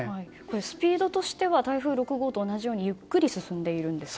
スピードとしては台風６号と同じようにゆっくり進んでいるんですか。